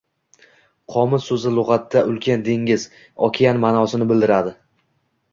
“Qomus” so‘zi lug‘atda “ulkan dengiz – okean” ma’nosini bildiradi.